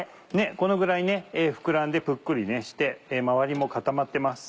このぐらいね膨らんでぷっくりして周りも固まってます。